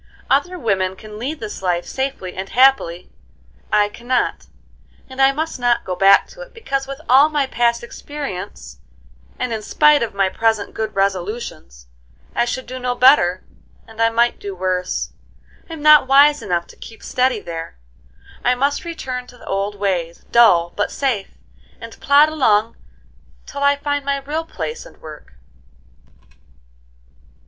Other women can lead this life safely and happily: I cannot, and I must not go back to it, because, with all my past experience, and in spite of all my present good resolutions, I should do no better, and I might do worse. I'm not wise enough to keep steady there; I must return to the old ways, dull but safe, and plod along till I find my real place and work."